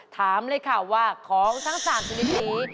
ถามเลยค่ะว่าของทั้ง๓ชนิดนี้